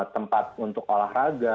tempat untuk olahraga